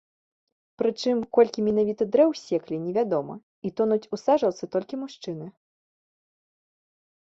Прычым, колькі менавіта дрэў ссеклі не вядома, і тонуць у сажалцы толькі мужчыны.